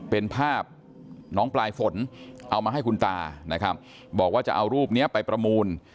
เป็นภาพน้องปลายฝนเอามาให้คุณตานะครับบอกว่าจะเอารูปนี้ไปประมูล